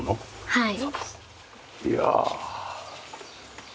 はい。